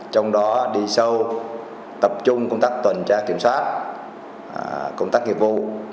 trong đó đi sâu tập trung công tác tuần tra kiểm soát công tác nghiệp vụ